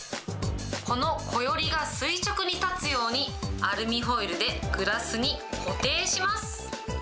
このこよりが垂直に立つように、アルミホイルでグラスに固定します。